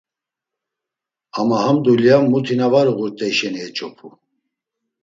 Ama ham dulya, muti na var uğurt̆ey şeni eç̌opu.